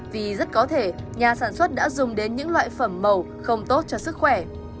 vì rất có thể nhà sản xuất đã dùng đến những loại phẩm màu không tốt cho sức khỏe